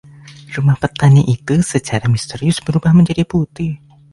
Rumah petani itu secara misterius berubah menjadi putih.